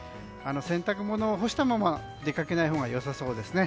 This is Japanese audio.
洗濯物を干したまま出かけないほうが良さそうですね。